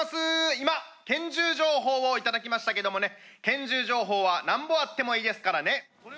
今、拳銃情報を頂きましたけどもね、拳銃情報はなんぼあってもいいですからね。